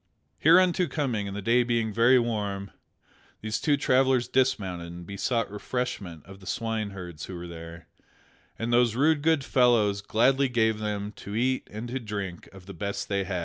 Hereunto coming, and the day being very warm, these two travellers dismounted and besought refreshment of the swineherds who were there, and those rude good fellows gladly gave them to eat and to drink of the best they had.